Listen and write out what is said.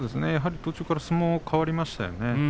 途中から相撲が変わりましたよね。